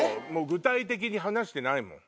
具体的に話してないもん。